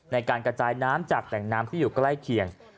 ในการกระจายน้ำจากแหล่งน้ำที่อยู่ใกล้เคียง